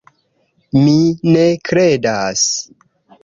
Mi ne kredas!